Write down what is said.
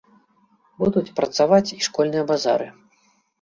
Будуць працаваць і школьныя базары.